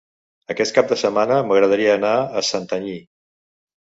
Aquest cap de setmana m'agradaria anar a Santanyí.